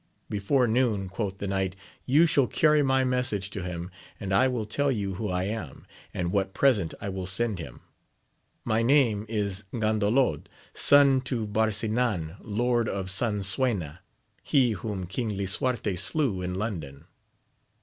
Before noon, quoth the knight, you shall carry my message to him, and I will tell you who I am, and what present I will send him : my name is Gandalod, son to Barsinan, lord of Sansuena, he whom King Lisuarte slew in London.